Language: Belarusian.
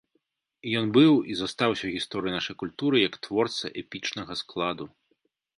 Ён быў і застаўся ў гісторыі нашай культуры як творца эпічнага складу.